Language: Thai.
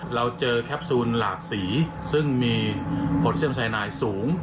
เราเจอแคปซูลหลากสีซึ่งมีผลเชื่อมชายนายสูง